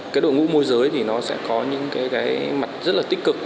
cái đội ngũ môi giới thì nó sẽ có những cái mặt rất là tích cực